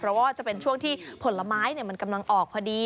เพราะว่าจะเป็นช่วงที่ผลไม้มันกำลังออกพอดี